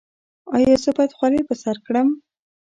ایا زه باید خولۍ په سر کړم؟